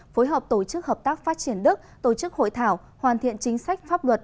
phối hợp tổ chức hợp tác phát triển đức tổ chức hội thảo hoàn thiện chính sách pháp luật